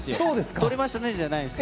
取れましたね、じゃないんですよ。